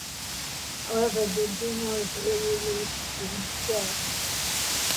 However the demos were released instead.